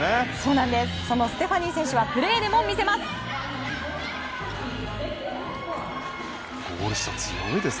そのステファニー選手はプレーでも見せます！